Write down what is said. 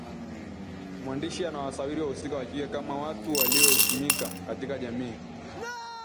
Mwandishi anasawiri wahusika wa kike kama watu walioheshimika Katika jamii